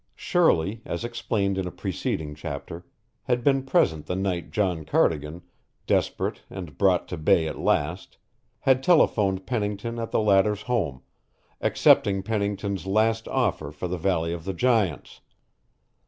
Shirley, as explained in a preceding chapter, had been present the night John Cardigan, desperate and brought to bay at last, had telephoned Pennington at the latter's home, accepting Pennington's last offer for the Valley of the Giants.